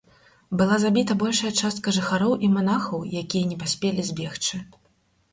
Была забіта большая частка жыхароў і манахаў, якія не паспелі збегчы.